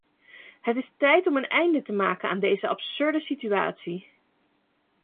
Het is tijd om een einde te maken aan deze absurde situatie.